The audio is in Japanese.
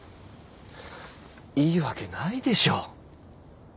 いいわけないでしょ。